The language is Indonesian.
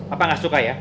apa gak suka ya